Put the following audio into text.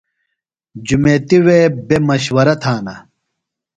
جُمیتیۡ وے بےۡ مشورہ تھانہ